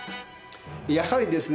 やはりですね